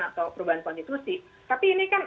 atau perubahan konstitusi tapi ini kan